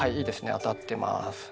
当たってます。